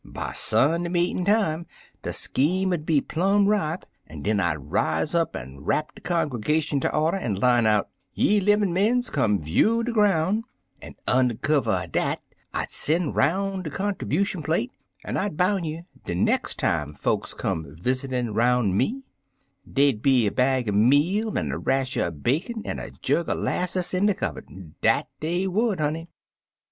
By Sunday meetin' time de scheme 'ud be plirni ripe, an' den I 'd rise up an' rap de con gergation ter order, an' line out * Ye livin* mens, come view de groun' '; an' und' kiv ver er dat, I'd sen' 'roun' de conterbution plate, an' I boun' you, de nex' time folks come visitin' 'roun' me, dey'd be er bag er meal, an' er rasher er bacon, an' er jug er 'lasses in de cubberd. Dat dey would, honey."